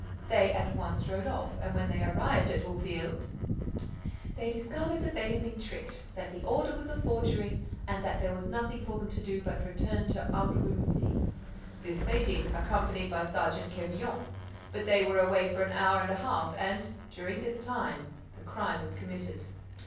They at once rode off, and when they arrived at Ouville—" "They discovered that they had been tricked, that the order was a forgery and that there was nothing for them to do but return to Ambrumésy." "This they did, accompanied by Sergeant Quevillon. But they were away for an hour and a half and, during this time, the crime was committed."